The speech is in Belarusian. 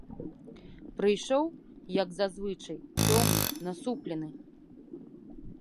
Прыйшоў, як зазвычай, цёмны, насуплены.